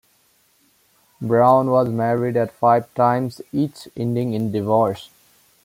Brown was married at five times, each ending in divorce.